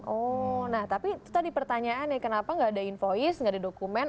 oh nah tapi itu tadi pertanyaannya kenapa nggak ada invoice nggak ada dokumen